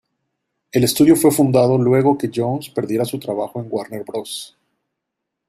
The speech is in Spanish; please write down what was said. El estudio fue fundado luego que Jones perdiera su trabajo en Warner Bros.